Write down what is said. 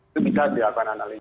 itu bisa dilakukan analisis